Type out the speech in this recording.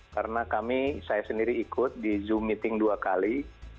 karena kami saya sendiri ikut di zoom meeting dua kali